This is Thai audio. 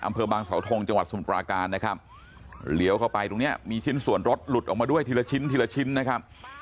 อำเภอบางสาวทงจังหวัดสมุทรปราการนะครับเลี้ยวเข้าไปตรงเนี้ยมีชิ้นส่วนรถหลุดออกมาด้วยทีละชิ้นทีละชิ้นนะครับ